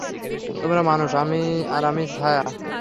তোমরা মানুষ, আর আমি ছায়া।